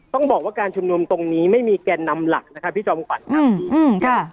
ต้องบอกว่าการชุมนุมตรงนี้ไม่มีแกนนำหลักนะครับพี่จอมขวัญครับ